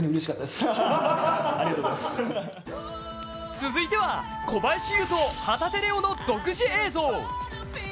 続いては、小林悠と旗手怜央の独自映像。